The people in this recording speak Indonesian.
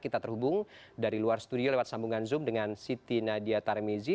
kita terhubung dari luar studio lewat sambungan zoom dengan siti nadia tarmezi